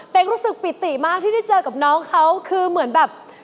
เป็นรู้สึกปิติมากที่ได้เจอกับน้องเขาคือเหมือนแบบ